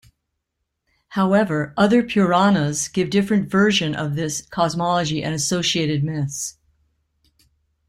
However, other Puranas give different version of this cosmology and associated myths.